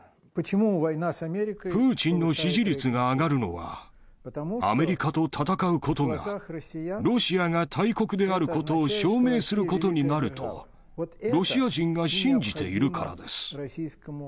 プーチンの支持率が上がるのは、アメリカと戦うことが、ロシアが大国であることを証明することになると、ロシア人が信じているからです。